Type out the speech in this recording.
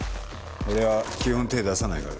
俺は基本手ぇ出さないから。